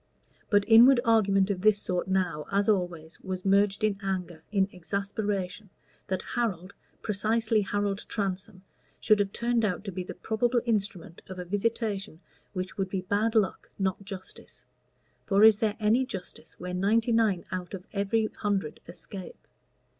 But inward argument of this sort now, as always, was merged in anger, in exasperation, that Harold, precisely Harold Transome, should have turned out to be the probable instrument of a visitation which would be bad luck, not justice; for is there any justice where ninety nine out of every hundred escape?